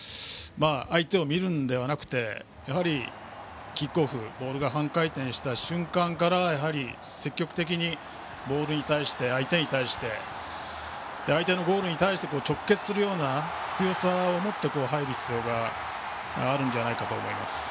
相手を見るのではなくやはりキックオフボールが半回転した瞬間から積極的にボールに対して、相手に対して相手のボールに対して直結する強さを持って入る必要があるんじゃないかと思います。